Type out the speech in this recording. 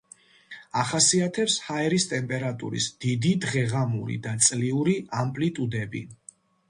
ახასიათებს ჰაერის ტემპერატურის დიდი დღეღამური და წლიური ამპლიტუდები.